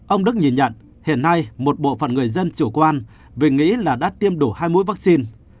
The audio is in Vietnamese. ông đức nhìn nhận hiện nay một bộ phận người dân chủ quan vì nghĩ là đã tiêm đủ hai mũi vaccine